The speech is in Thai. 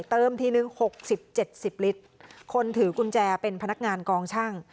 เติมทีนึงหกสิบเจ็ดสิบลิตรคนถือกุญแจเป็นพนักงานกองช่าง